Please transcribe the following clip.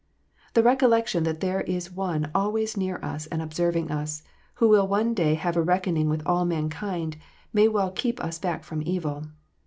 The recollection that there is One always near us and observing us, who will one day have a reckoning with all mankind, may well keep us back from evil.